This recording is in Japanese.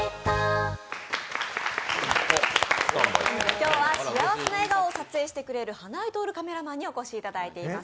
今日は幸せな笑顔を撮影してくれる花井透カメラマンにお越しいただいています。